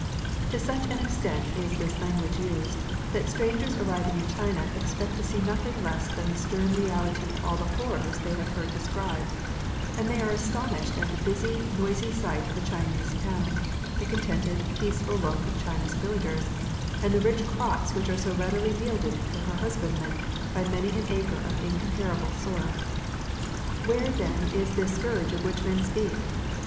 To such an extent is this language used, that strangers arriving in China expect to see nothing less than the stern reality of all the horrors they have heard described ; and they are astonished at the busy, noisy sight of a Chinese town, the contented, peaceful look of China's villagers, and the rich crops which are so readily yielded to her husbandmen by many an acre of incomparable soil. Where, then, is this scourge of which men speak